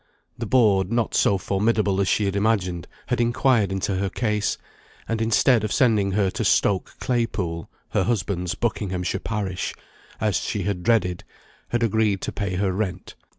The board, not so formidable as she had imagined, had inquired into her case; and, instead of sending her to Stoke Claypole, her husband's Buckinghamshire parish, as she had dreaded, had agreed to pay her rent.